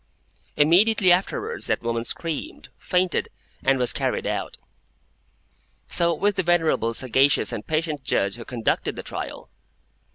Immediately afterwards that woman screamed, fainted, and was carried out. So with the venerable, sagacious, and patient Judge who conducted the trial.